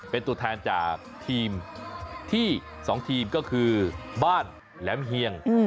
เป็นตัวแทนจากทีมที่๒ทีมก็คือบ้านแหลมเฮียง